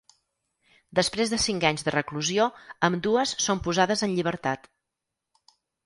Després de cinc anys de reclusió, ambdues són posades en llibertat.